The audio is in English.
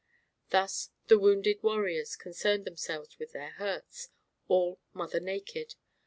Thus the wounded warriors concerned themselves with their hurts all mother naked.